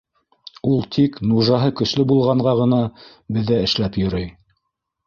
Ул тик нужаһы көслө булғанға ғына беҙҙә эшләп йөрөй.